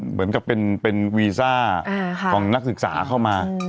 เหมือนกับเป็นวีซ่าของนักศึกษาเข้ามา